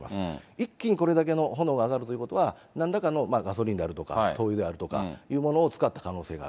一気にこのくらいの炎が上がるということは、なんらかのガソリンであるとか、灯油であるとかいうものを使った可能性がある。